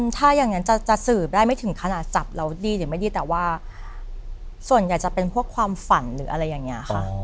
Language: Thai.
ถ้าอย่างนั้นจะสืบได้ไม่ถึงขนาดจับเราดีหรือไม่ดีแต่ว่าส่วนใหญ่จะเป็นพวกความฝันหรืออะไรอย่างนี้ค่ะ